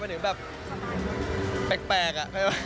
เป็นอย่างแปลก